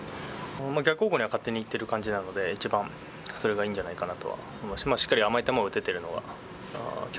逆方向には勝手に行ってる感じなので、一番、それがいいんじゃなそりゃ。